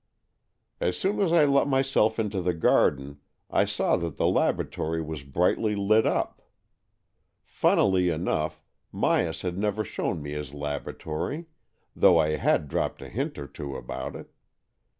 "As soon as I let myself into the garden, I saw that the laboratory was brightly lit up. Funnily enough, Myas had never shown me his laboratory, though I had dropped a hint or two about it.